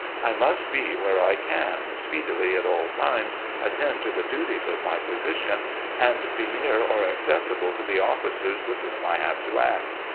I must be where I can, speedily, at all times, attend to the duties of my position, and be near or accessible to the officers with whom I have to act.